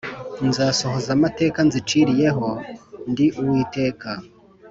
nzasohoza amateka nziciriye ho Ndi Uwiteka